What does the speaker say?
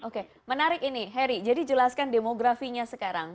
oke menarik ini harry jadi jelaskan demografinya sekarang